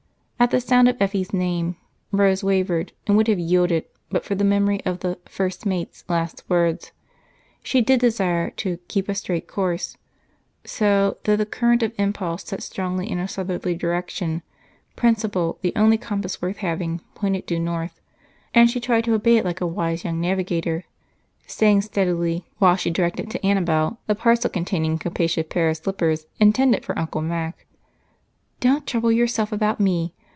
At the sound of Effie's name, Rose wavered, and would have yielded but for the memory of the "first mate's" last words. She did desire to "keep a straight course"; so, though the current of impulse set strongly in a southerly direction, principle, the only compass worth having, pointed due north, and she tried to obey it like a wise young navigator, saying steadily, while she directed to Annabel the parcel containing a capacious pair of slippers intended for Uncle Mac: "Don't trouble yourself about me.